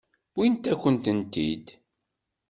Wwin-akent-tent-id.